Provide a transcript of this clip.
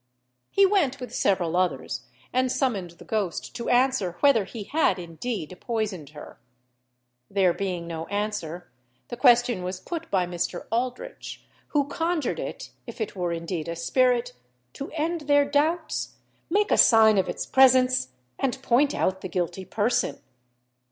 He went with several others, and summoned the ghost to answer whether he had indeed poisoned her. There being no answer, the question was put by Mr. Aldritch, who conjured it, if it were indeed a spirit, to end their doubts, make a sign of its presence, and point out the guilty person.